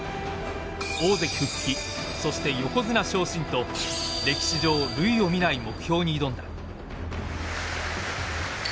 大関復帰そして横綱昇進と歴史上類を見ない目標に挑んだ。